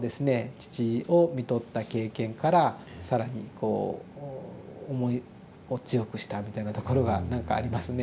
父をみとった経験から更にこう思いを強くしたみたいなところが何かありますね。